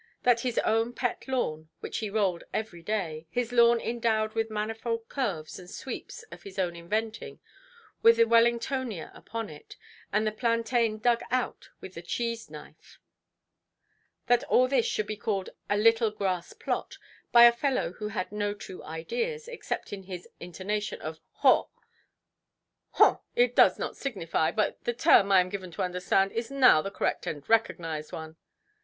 That his own pet lawn, which he rolled every day, his lawn endowed with manifold curves and sweeps of his own inventing, with the Wellingtonia upon it, and the plantain dug out with a cheese–knife—that all this should be called a "little grass–plot", by a fellow who had no two ideas, except in his intonation of "Haw"! "Haw! It does not signify. But the term, I am given to understand, is now the correct and recognised one".